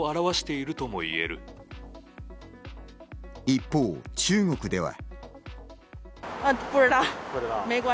一方、中国では。